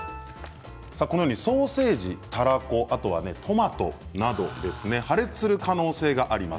ソーセージ、たらこ、トマトなど破裂する可能性があります。